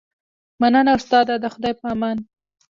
مننه استاده د خدای په امان